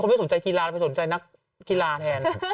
ไม่สนใจกีฬาไปสนใจนักกีฬาแทน